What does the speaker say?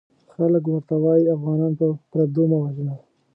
خلک ورته وايي افغانان په پردو مه وژنه!